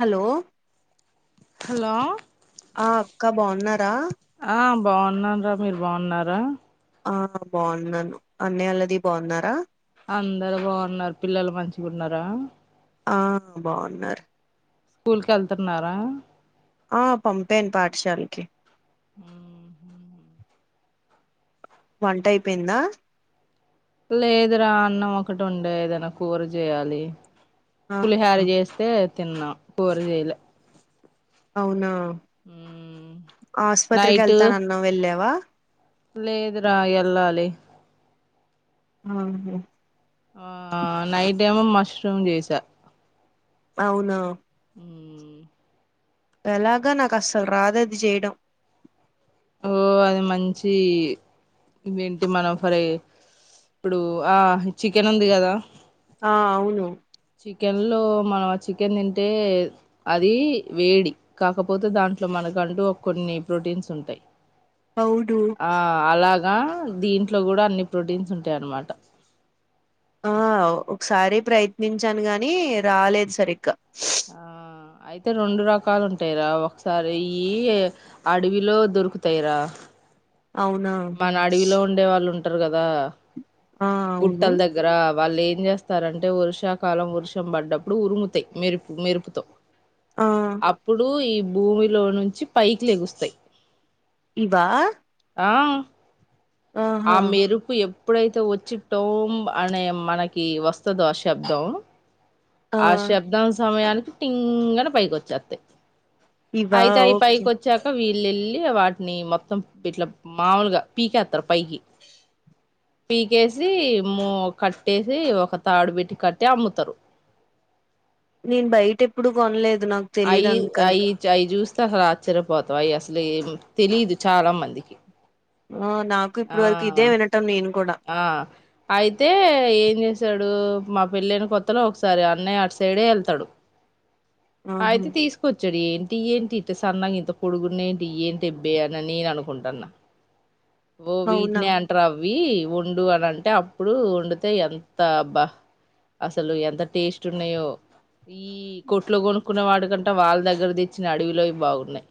Hello. Hello ఆ అక్క బాన్నారా ఆ బావున్నాంరా మీరు బాన్నారా. ఆ బావున్నాను అన్నయ ఆళ్ళది బాన్నారా. అందరు బావున్నారు పిల్లలు మంచి గున్నారా ఆ బావున్నారు స్కూల్కి ఎళ్తున్నారా. ఆ పంపేను పాఠశాలకి. మ్మ్ వంట అయిపోయింద లేదురా అన్నం ఒకటి ఉండే ఏదనా కూర జేయాలి ఆ పులిహార చేస్తే తిన్నాం కూర చేయలే అవునా మ్మ్ ఆస్పత్రికి ఎళ్తానన్నావ్ వెళ్ళావా లేదు రా ఎళ్ళాలి ఆహా. ఆ నైట్ ఏమో మష్రూమ్ చేసా అవునా. మ్మ్ ఎలాగా నాకు అస్సలు రాదది చేయడం ఓ అది మంచి ఇవేంటి మన ఫరి ఇప్పుడు ఆ చికెన్ ఉంది కదా ఆ అవును చికెన్లో మనం చికెన్ తింటే అది వేడి కాకపోతే దాంట్లో మనక్ కంటూ కొన్ని ప్రోటీన్స్ ఉంటాయ్ అవును ఆ అలాగ. ఆ దీంట్లో కూడా అన్ని ప్రోటీన్స్ ఉంటాయన్నమాట ఆ ఒకసారి ప్రయత్నించాను గాని రాలేదు సరిగ్గా ఆ అయితే రెండు రకాలు ఉంటాయిరా ఒకసారి అయ్యి అడవిలో దొరుకుతాయిరా అవునా మన అడవిలో ఉండే వాళ్ళు ఉంటారు గదా ఆ అవును గుట్టల దగ్గర వాళ్ళేం చేస్తారంటే వర్షాకాలం వర్షం పడ్డప్పుడు ఉరుముతాయి మెరుపు మెరుపుతో ఆ అప్పుడు ఈ భూమిలో నుంచి పైకి లేగుస్తాయి. ఇవా ఆ ఆహా మెరుపు ఎప్పు ఎప్పుడైతే వచ్చి టోం అనే మనకి వస్తదో ఆ శబ్దం ఆ శబ్దం సమయానికి టింగ్ అన్ని పైకి వచ్చేద్ది. ఇవా అయితే అవి ఓకే పైకి వచ్చాక వీ. వెళ్లి వాటిని మొత్తం ఇట్లా మాముూలుగా పీకేత్తరు పైకి పీకేసి మొ కట్టేసి ఒక తాడు పెట్టి కట్టి అమ్ముతరు నేను బయటెప్పుడు కొనలేదు నాకు తెలిదు అయి అందుకని అయి జై చుస్తే అసలు ఆశ్చర్యపోతవ్ అవి అసలు తెలీదు చాలా మందికి ఉ నాకు ఇప్పడు ఆ వరకు ఇదే వినంటం నేను కూడా ఆ అయితే ఏం చేస్త డు మా పెళ్ల్లైన కొత్తలో ఒకసారి అన్నయ్య అటు సైడే వెళ్తాడు. ఆహా అయితే తీసుకొచ్చడె ఇ ఏంటి ఇంత సన్నా ఇంత పొడుగున్న ఏంటి ఇఏంటి అబ్బే అని నేను అనుకుంటాన్నా ఓ అవునా వీటినే అంటరా అవి వండు అని అంటే అప్పుడు వండితే ఎంత బా అసలు ఎంత టేస్ట్ ఉన్నాయో ఈ కొట్లో కొనుక్కున్న వాడి కంట వాళ్ళ దగ్గర తెచ్చిన అడవిలోవి బాగున్నాయి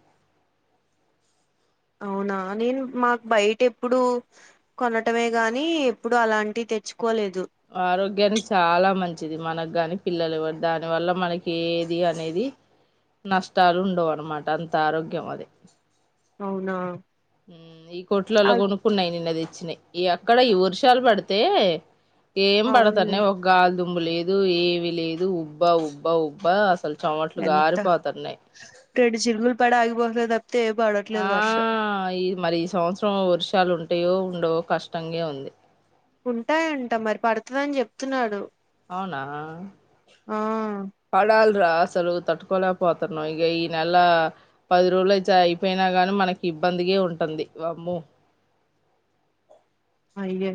అవునా నేను మాకు బయట ఎప్పుడు కొనటమే గాని ఎప్పుడు అలాంటివి తెచ్చు ఆరోగ్యన్ని చాలా మంచిది మనకు గాని పిల్లలు దాని వల్ల మనకి ఏది అనేది నష్టాలు ఉండవు అన్నమాట అంత ఆరోగ్యం అది. అవునా ఈ అ కొట్లలా కొనుక్కున్నాయి నిన్న తెచ్చినాయి ఈ ఎక్కడ ఈ వర్షాలు పడితే ఏం అవును పడతాన్నాయ్ ఒక గాలి దు దుమ్ము లేదు ఏమి లేదు ఉబ్బా ఉబ్బా ఉబ్బా అసలు చమట్లు ఎంత గారిపోతున్నాయి రెండు చినుకులు పడి ఆగిపోతున్నాయి తప్పితే ఏం ఆ పడట్లేదు వర్షం ఈ మరి ఈ సంవత్సరం వర్షాలు ఉం ఉంటయో ఉండవో కష్టంగే ఉంది ఉంటాయంట మరి పడుతుందని చెప్తున్నాడు అవునా ఆ పలాల్ అసలు తట్టుకోలేకపోతున్నాం ఇగ ఈ నెల పది రోజులయితే అయిపోయినా గాని మనకి ఇబ్బందిగె ఉంటంది వామ్మో అయ్యే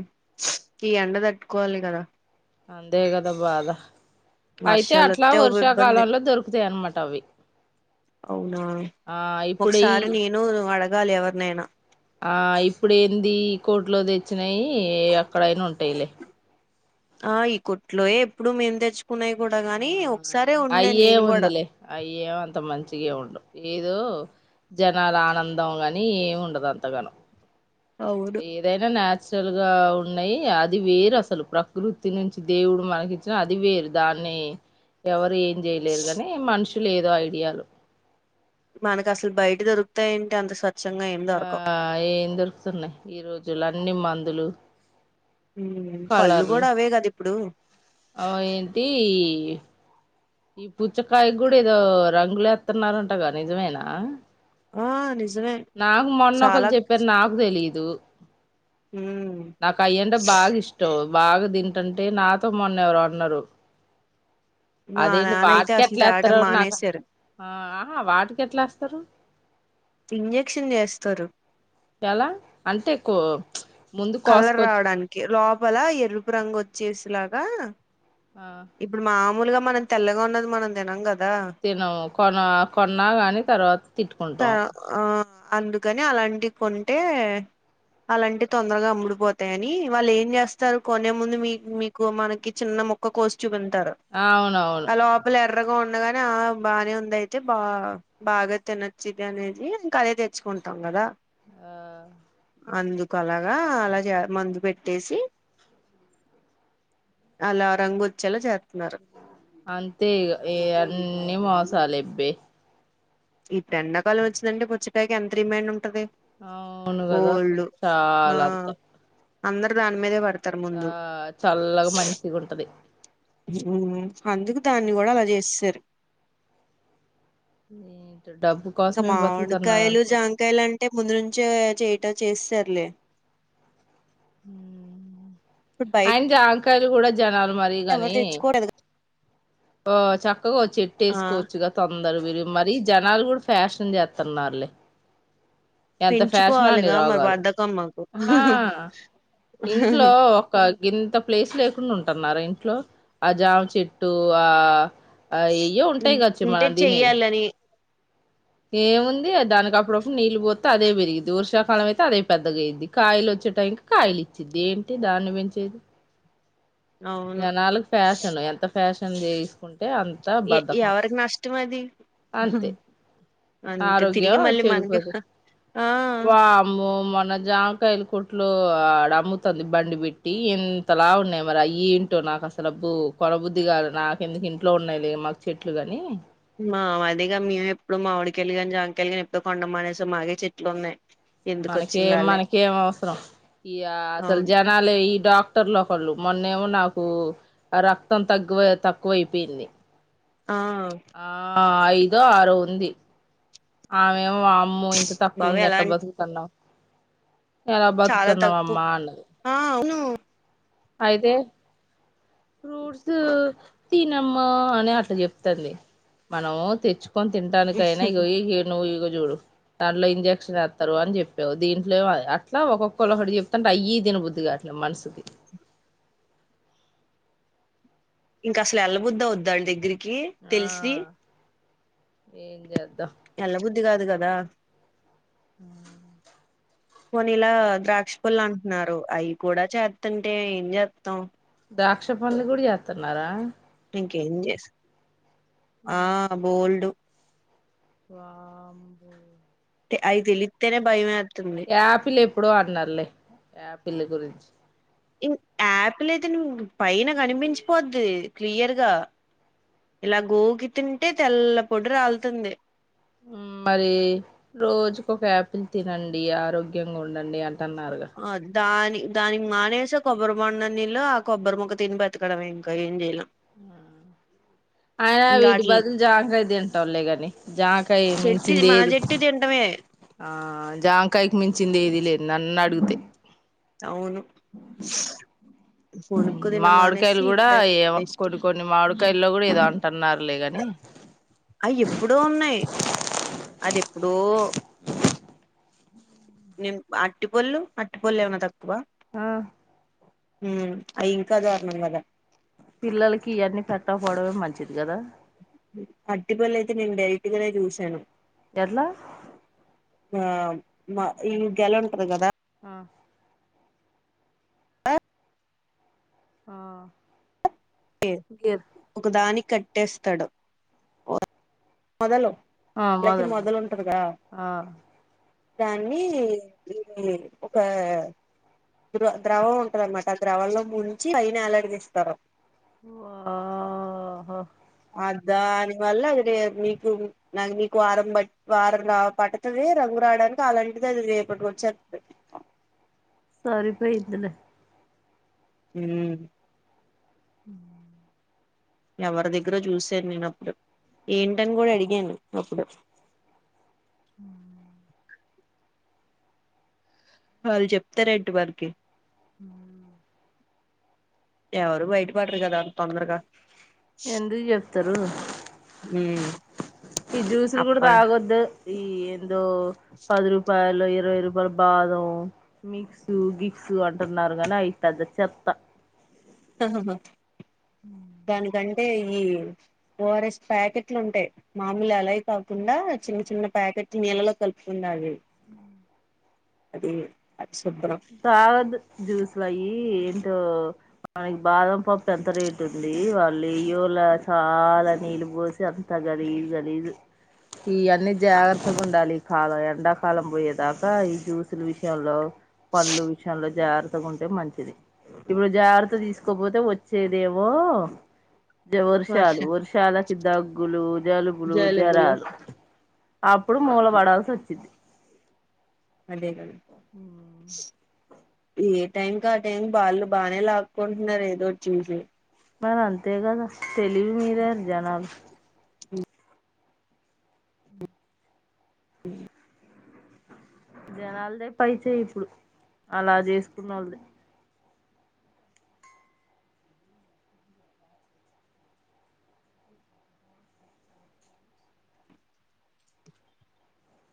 ఈ ఎండ తట్టుకోవాలి గదా అందే గదా బాధ అయితే వర్షాలు అట్లా వత్తే ఓ ఇబ్బంది వర్షాకాలంలో దొరుకుతాయి అన్నమాట టవి అవునా ఈ ఒకసారి నేను అడగాలి ఎవరినైనా ఆ ఇప్పుడు ఏంది కోట్లో తెచ్చినాయి అక్కడైనా ఉంటాయిలే ఆ ఈ కుట్లోయే ఎప్పుడు మేం తెచ్చు కున్నాయి కూడా ఆ గానీ ఒకసారే ఉండేను నేను కూడా తియ్యగుండవ్ ఏదో జనాల ఆనందం అని ఏమి ఉండదు అంత గానం. అవును ఏదైనా నా ల్ గా ఉన్నాయి అది వేరు అసలు ప్రకృతి నుంచి దేవుడు మనకి ఇచ్చిన అది వేరు దాని కానీ ఎవరు ఏం చేయలేరు కానీ మనుషులు ఏదో ఐడియాలు మనకు అసలు బయట దొరుకుతాఎంటి అంత స్వచ్ఛంగా ఏం దొరకవు ఆ ఏం దొరుకుతున్నాయి ఈ రోజులు అన్ని మందులు. పళ్ళు కూడా అవే కద ఇప్పుడు అ ఏంటి ఈ పుచ్చకాయ కూడా ఏదో రంగులేస్తున్నారంటగా నిజమేనా ఆ నిజ్ నాకు మొన్న ఒకరు చెప్పారు నాకు తెలీదు. ఉమ్ నాకు అయ్యంటే బాగా ఇష్టం. బాగా తింటంటే నాతో మొన్న ఎవరో అన్నారు మా అదేంట్ నాన్న అయితే వాటికి అసలు ఎట్లా తేవటం ఎస్తారో నాక్ మానేశారు ఆ వాటికేట్లా యేస్తరు ఇంజక్షన్ చేస్తారు ఎలా అంటేకు కలర్ రావడానికి లోప్ పల ఎరుపు రంగు వచ్చేసలాగా ఆ ఇప్పుడు మా మూలుగా మనం తెల్లగా ఉన్నది మనం తినం క తినము కొన కొన్న గాని తర్వాత తిట్టుకుంటాం ని అలాంటియి కొంటే అలాంటే తొందరగా అమ్ముడిపోతాయని వాళ్ళు ఏం చేస్తారు కొనే ముందు మీ మీకు మనకి చిన్న మక్క కోసి చూపింతారు అవునవును ఆ లోపల ఎర్ ర్రగా ఉన్నదని ఆ బాగానే ఉంది అయితే బా బాగా తినొచ్చిది అనేది ఇంకా అదే తెచ్చుకుం ంటా కదా ఆ అందుకలాగా అలా చే మందు పెట్టేసి అలా రంగోచ్చేలా చేస్తున్నారు అంతే ఇగ ఇవన్నీ మోసాలే అబ్బే. ఇప్పుడు ఎండాకాలం వచ్చిందంటే పుచ్చకాయకి ఎంత డిమాండ్ ఉంటాది. అవును కదా అసలు ఆ చాలా అంత అందరు దాని మీదే పడ్ ఆ చల్లగా మంచిగా ఉంటది మ్ అందుకు దాన్ని కూడా అలా చేసేసారు ఏంటో డబ్బు ఇంకా కోసమే బతుకుతున్నారు మామిడికాయలు అనుకుంట జాంకాయలు అంటే ముందు నుంచే చేట్ చేస్తారులే హుమ్ ఇప్పుడు బయట ఆయిన జంకాయలు కూడా జనాలు మరి ఎవరు కాని తెచ్చుకోరు ఓ చక్కగా ఓ ఆ చెట్టేసుకోవచ్చుగా తొం తరు వీరు మరీ జనాలు కూడా ఫ్యాషన్ చేత్త న్నారులే ఎంత ఫ్యాష్ నాఅండి పెంచుకోవాలిగా మరి రోగాలు బద్దకం మాకు ఆ ఇంట్లో ఒక గింత ప్లేసు లేకుండా ఉంటు. ఉంటఅన్నారా ఇంట్లో ఆ జామ్ చెట్టు ఆ అయిన అయ్యో ఉంటాయి కావచ్చు హ మనం దీనేయ్యి చెయ్యాలని ఏము ఉంది దానికి అప్పుడు అప్పుడు నీళ్ళు పోత్తే అదే పెరిగిద్ది వర్షాకాలం అయితే అదే పెద్దగా అయిద్ది కాయలు వచ్ వచ్చే టైంకి కాయలు ఇచ్చిద్ది ఏంటి దాన్ని పెంచేది అవును జనాలకు ఫ్యాషన్లు ఎంత ఫ్యాషన్ చేసుకుంట్ టే అంత ఎ బధకం ఎవరికి నష్టం అది అంతే అంతే తిరిగి ఆరోగ్యం మళ్ళీ మనకి చెడుపోదు ఆ వామ్మో మన. మరి జామకాయలు కొట్లో ఆడ అమ్ముతు ఉంది బండి పెట్టి ఇంతలావు ఉన్నాయ్ మరి అయి ఎంటో నాకు అస్సల అబ్బో కొనబుద్దిగాదు నాక్ ఎందుకు ఇంట్లో ఉన్నాయిలే మాకు చెట్లుకు అని మా వదిగా మేము ఎప్పుడు మామిడికాయలు గాని జామ్ కాయ్ లు గానీ ఎప్పుడు కొనడం మ్ మానేసీ మాయే చెట్లు ఉన్నాయి ఎందుకు మనకేం వచ్చిందాలే మనకేం మ్ అవసరం ఇయ అసల్ అవును జనాలే ఈ డాక్టర్లు ఒకళ్ళు మొన్నే ఏమో నాకు రక్తం తగ్గువ తక్కువ అయిపోయింది ఆ ఆ ఐదో ఆరో ఉంది ఆమె ఏమ్ వామ్మో ఇంత తక్కువ ఉంది బాబోయ్ ఎలా యట్ట అంటే బతుకుతు ఉన్నావు ఎలా చాలా బతుకుతుఉన్నావ్ అమ్మ తక్కువ అన్నారు ఆ అవును అయితేే ఫ్రూట్స్ తిన అమ్మా అని అట్ట చెప్త అంది మనము తెచ్చు కొని తింటానికి అయినా ఏ ఇనువు చూడు దాంట్లో ఇంజక్షన్ వేస్తారు అని చెప్పావు దీంట్లో అట్లా ఒక్కొ బక్కళ్ళు ఒకటి చెప్తు ఉంటే అయి. ఇనుబుద్ధిగా అట్లా మనసుకి ఇంకా అసల ఎల్లబుద్ది అవుద్దా వాళ్ దగ్గరికి ఆ తెలిసి ఏం చేద్దాం ఎల్లా బుద్ధి కాదు కదా అ కొనీ ఇలా ద్రాక్ష పళ్లు అంటుఉన్నారు అయి కూడా చేస్తఅంటే ఏం చేస్తాం ద్రాక్ష పండ్లు కూడా చేత్తు ఉన్నారా. ఇంకేం చేస్ ఆ బోల్డు వాంబో అయితేలిత్తేనే బైమ్ ఏత్ యాపిల్ ఎప్పుడో అన్నార్లే యాపిల్ గురించి యాప్లి అయితే నువు పైన కనిపించిపోద్ది క్లియర్గా ఇలా గోగి తింటే తెల్ల పొడి రాలుతుంది మరి రోజు బక్కొక యాపిల్ తినఅండి ఆరోగ్యంగా ఉండ అండి అంటఅన్ న్నారుగా ఆ దాని దానికి మానేసి కొబ్బరి బొండం నీళ్ళో ఆ కొబ్బరి మొక్క తిని బతకడం మే ఇంకా ఏం చెయలేమ్ ఆయన ఇంగ వీటి ఆటిల్ని బదులు జామ్ కాయ్ తింటావులే గాని జామ్ కాయ్ చెట్టు మించిఇంది మన ఏది చెట్టు తింటమే ఆ జాంకాయ్ కి మించింది ఏది లేదు నన్ను అడుగుతే అవును కొనుక్కు తినడం మానేసి మామిడికాయలు కూడా ఇంట్లో తినడం ఏమో బెస్ట్ కొన్ని కొన్ని మామిడికాయల్లో కూడా ఏదో అంటఅన్నారు లే గని అయ్యేప్పుడో ఉన్నాయి అది ఎప్పుడో నిమ్ అరటిపళ్ళు ఆర్టిపల్లు ఏవన్నా తక్కువ ఆ హ్మ్ అయ్యింక దారుణం కదా పిల్లలకి ఇయన్నీ పెట్టకపోవడమే మంచిది కదా అరటిపళ్ళు అయితే నేన్ డైరెక్ట్ గానే చూసాను ఎట్లా ఆ మా ఈ గెలుంటదీగదా ఆ ఆ టీ గేర్ ఒక దానికి కట్టేస్తాడు మొదలు లకి మొదలు ఉంటదిగా ఆ దాన్ని ఇది ఒక ద్రో ద్రవం ఉంటంది అన్నమాట ఆ ద్రవంలో ముంచి పైన యెల్లాడా తీస్తారు వా ఆహా ఆ దాని వల్ల ఇది మీకు [unintelligible] వారం వారంగా పట్టతది రంగురా రాడానికి అలాంటిది అది రేపటికోచ్చేతది సరిపోయిందిలే హ్మ్ ఎవరి దగ్గర చూశాను నేను అప్పుడు ఏంటని కూడా అడిగాను అప్పుడు హ వాళ్ళు చెప్తారెంట్ వర్కి ఎవరు బయట పాటరు కదా తొందరగా ఎందుకు చెప్తారు హ్మ్ ఈ జ్యూస్లు కూడా తగొద్దూ ఈ ఎంద్దో పదు రూపాయలో ఇరవై రూ ఉబ్రభాదం మిక్స్ గిక్సు అంటున్నారు గానీ అయితంద చెత్త హా హా దానికంటే ఈ ఓఆర్ఎస్ ప్యాకెట్లు ఉంటాయి మామూలు అలాయి కాకుండా చిన్న చిన్న ప్యాకెట్లు నీళ్ళలో కలుపుకుండా అదే అది శుభ్రం తాగదు జ్యూస్లయ్యీ టు మనకి బాదం పప్పు ఎంత రేట్ ఉంది వాళ్ళు ఇయ్యోలా చాలా నీళ్ పోసి అంత గలిజ్ గలిజు [inaudible] ఇయన్నీ జాగ్రత్తగుండాలి ఈ కాలం ఎండాకాలం పోయేదాకా ఈ జ్యూసుల విషయంలో పల్లు విషయాల్లో జార్ గుంటే మంచిది ఇప్పుడు జాగ్రత్త తీసుకోపోతే వచ్చేదేమో జ్ వర్ష వర్షాలు వర్షాలకి దగ్గులు జలుబులు జలుబులు జ్వరాలు అప్పుడు మూల పడాల్సి వచ్చింది అదే గదా ఏ టైంకి ఆ టైం వాళ్ళు బానే లాక్కుంటున్నారు ఏదోటి చేసి మరంతే కదా తెలివి మీరారు జనాలు మ్మ్ జనాలదే పైచయి ఇప్పుడు అలా చేసుకున్నోళ్ళది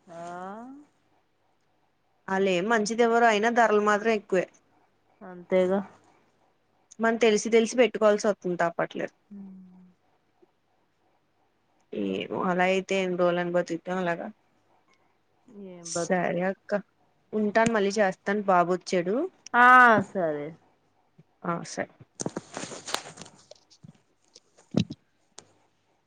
ఆ ఆల్లెమ్ మంచిది ఇవ్వరు అయినా ధరలు మాత్రం ఎక్కువే అంతేగా మనం తెలిసి తెలిసి పెట్టుకోవాల్సివత్తుంది తప్పట్లేదు ఈ అలా అయితే ఎన్ రోజులు అని బతుకుతం అలాగా ఏం సరే బతుకుతాం అక్క ఉంటాను మళ్ళీ చేస్తాను బాబు వచ్చాడు ఆ సరే ఆ సరే